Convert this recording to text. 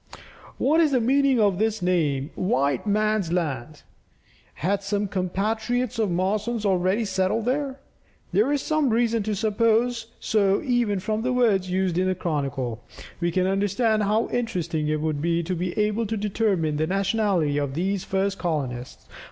What is the meaning of this name "White man's land"? Had some compatriots of Marson's already settled there? There is some reason to suppose so even from the words used in the chronicle. We can understand how interesting it would be, to be able to determine the nationality of these first colonists.